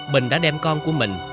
bình đã đem con của mình